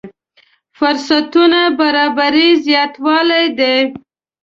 فرصتونو برابري زياتوالی دی.